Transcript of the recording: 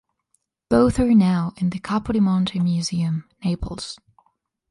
Both are now in the Capodimonte Museum, Naples.